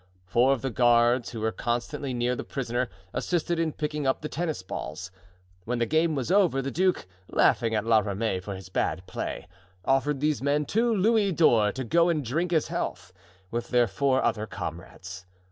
Four of the guards, who were constantly near the prisoner, assisted in picking up the tennis balls. When the game was over, the duke, laughing at La Ramee for his bad play, offered these men two louis d'or to go and drink his health, with their four other comrades.